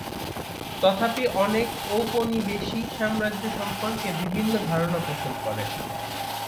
তথাপি অনেক ঔপনিবেশিক সাম্রাজ্য সম্পর্কে বিভিন্ন ধারণা পোষণ করে।